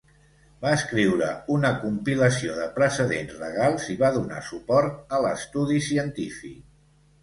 Va escriure una compilació de precedents legals i va donar suport a l'estudi científic.